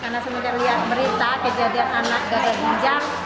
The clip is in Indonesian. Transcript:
karena semuanya lihat berita kejadian anak gagal ginjal